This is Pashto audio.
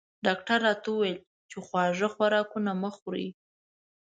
ډاکټر راته وویل چې خواږه خوراکونه مه خورئ